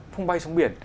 không bay xuống biển